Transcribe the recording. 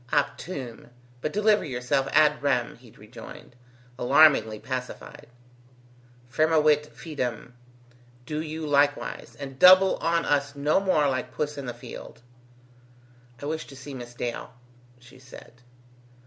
"Optume; but deliver yourself ad rem," he rejoined, alarmingly pacified. "Firmavit fidem. Do you likewise, and double on us no more like puss in the field." "I wish to see Miss Dale," she said.